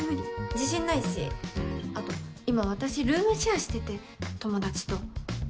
自信ないし後今私ルームシェアしてて友達と。